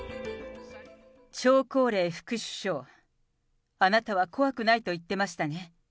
張高麗副首相、あなたは怖くないと言ってましたね。